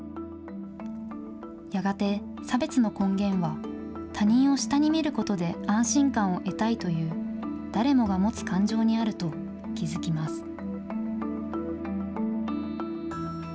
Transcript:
やがて、差別の根源は、他人を下に見ることで安心感を得たいという、誰もが持つ感情にあると気付きます。